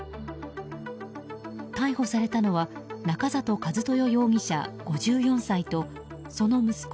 逮捕されたのは中里和豊容疑者、５４歳とその息子